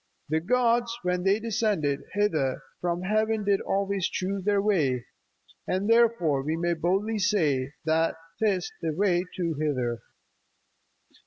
The gods, when they descended, hither From heaven did always choose their way ; And therefore we may boldly say That 'tis the way too thither.